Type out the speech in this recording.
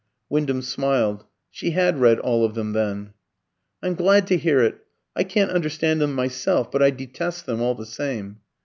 Wyndham smiled. She had read all of them, then. "I'm glad to hear it. I can't understand them myself; but I detest them, all the same."